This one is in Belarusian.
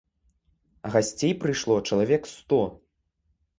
Гасцей прыйшло чалавек сто.